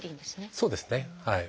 そうですね。